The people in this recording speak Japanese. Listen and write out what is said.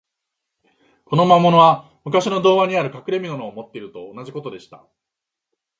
この魔物は、むかしの童話にある、かくれみのを持っているのと同じことでした。